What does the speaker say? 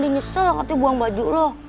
dia nyesel lah katanya buang baju lo